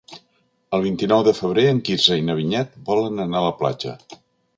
El vint-i-nou de febrer en Quirze i na Vinyet volen anar a la platja.